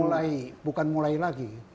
mulai bukan mulai lagi